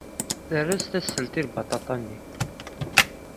Terra-as tasselt i lbaṭaṭa-nni.